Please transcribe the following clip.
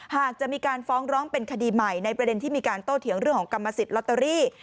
หากจะมีการฟ้องร้องเป็นคดีใหม่ในประเด็นที่มีการโต้เถียงเรื่องของกรรมสิทธิลอตเตอรี่